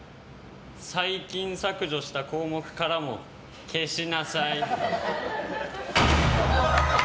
最近、削除した項目からも消しなさい。